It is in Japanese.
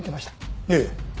ええ。